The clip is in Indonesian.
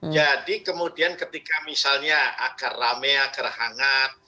jadi kemudian ketika misalnya akar rame akar hangat